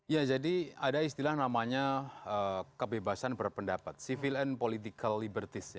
ya jadi ada istilah namanya kebebasan berpendapat civil and political liberties